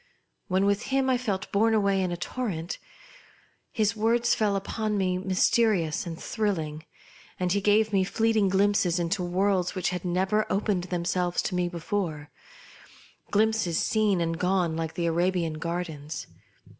When with him I felt borne away in a torrent. His words fell upon m(^ mysterious and thrilling, and he gave mt fleeting glimpses into worlds which had nevei opened themselves to me before ; glimpses seen and gone like the Arabian gardens.